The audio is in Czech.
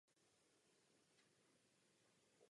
Jako takový není stavěn jen pro webové služby.